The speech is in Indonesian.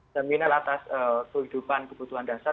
jaminan atas kehidupan kebutuhan dasar